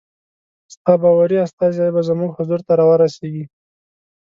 ستا باوري استازی زموږ حضور ته را ورسیږي.